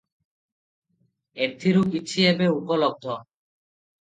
ଏଥିରୁ କିଛି ଏବେ ଉପଲବ୍ଧ ।